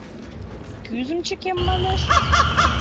Кӱзым чыкем, манеш?